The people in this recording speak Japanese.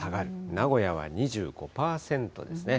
名古屋は２５％ですね。